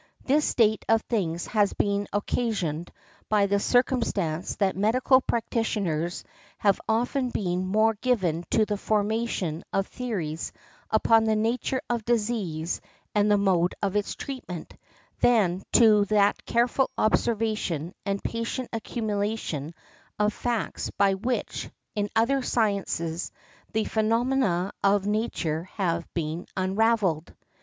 This state of things has been occasioned by the circumstance that medical practitioners have often been more given to the formation of theories upon the nature of |43| disease and the mode of its treatment, than to that careful observation and patient accumulation of facts by which, in other sciences, the phenomena of nature have been unravelled.